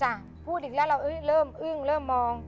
พูดอีกแล้วเราเริ่มอึ้งเริ่มมอง